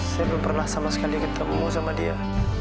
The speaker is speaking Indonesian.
saya belum pernah sama sekali ketemu sama dia